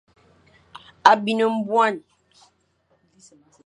A bin nbuan.